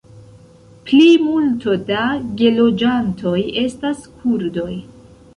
Plimulto da geloĝantoj estas kurdoj.